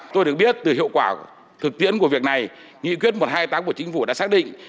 tôi được biết từ hiệu quả thực tiễn của việc này nghị quyết một trăm hai mươi tám của chính phủ đã xác định